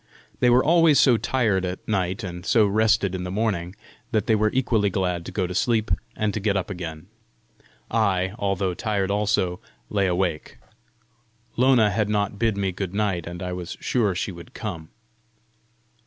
They were always so tired at night and so rested in the morning, that they were equally glad to go to sleep and to get up again. I, although tired also, lay awake: Lona had not bid me good night, and I was sure she would come.